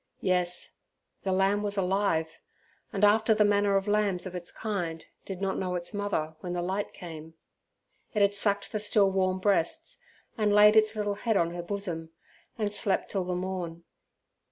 Yes, the lamb was alive, and after the manner of lambs of its kind did not know its mother when the light came. It had sucked the still warm breasts, and laid its little head on her bosom, and slept till the morn.